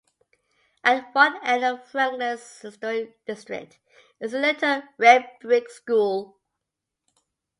At one end of Franklin's Historic District is the little Red Brick School.